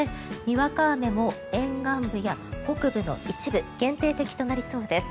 にわか雨も沿岸部や北部の一部限定的となりそうです。